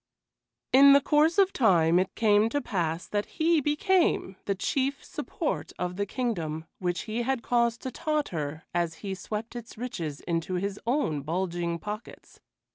In the course of time it came to pass that he became the chief support of the kingdom which he had caused to totter as he swept its riches into his own bulging pockets.